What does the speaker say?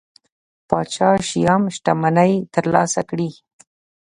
پاچا شیام شتمنۍ ترلاسه کړي.